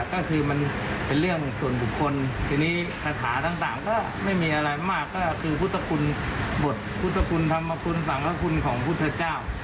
ก็คือมันเป็นเรื่องส่วนบุคคลทีนี้คาถาต่างก็ไม่มีอะไรมากก็คือพุทธคุณบทพุทธคุณธรรมคุณสังคคุณของพุทธเจ้า